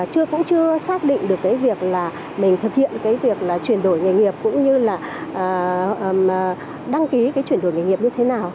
chứ cũng chưa xác định được cái việc là mình thực hiện cái việc là chuyển đổi nghề nghiệp cũng như là đăng ký cái chuyển đổi nghề nghiệp như thế nào